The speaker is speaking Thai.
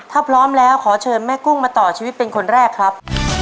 ถ้าพร้อมแล้วขอเชิญแม่กุ้งมาต่อชีวิตเป็นคนแรกครับ